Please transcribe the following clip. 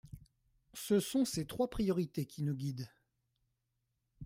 Ce sont ces trois priorités qui nous guident.